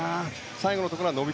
最後のところ伸び